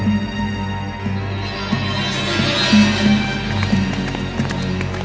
ambilkan pakaian baru dan juga siapkan air hangat untukku